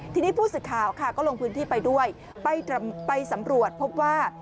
ทีนี้ผู้สื่อข่าวค่ะก็ลงพื้นที่ไปด้วยไปสำรวจพบว่า